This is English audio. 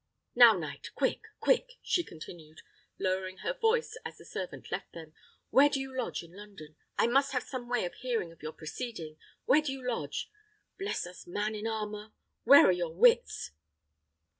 Now, knight! quick! quick!" she continued, lowering her voice as the servant left them, "Where do you lodge in London? I must have some way of hearing of your proceeding: where do you lodge? Bless us, man in armour! where are your wits?"